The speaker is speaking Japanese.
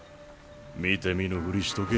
見て見ぬふりしとけ。